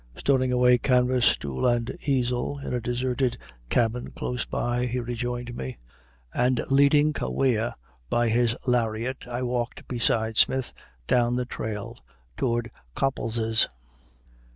Storing away canvas, stool, and easel in a deserted cabin close by, he rejoined me, and, leading Kaweah by his lariat, I walked beside Smith down the trail toward Copples's.